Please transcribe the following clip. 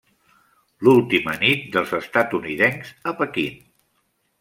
L'última nit dels estatunidencs a Pequín.